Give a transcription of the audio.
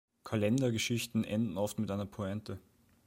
Kalendergeschichten enden oft mit einer Pointe.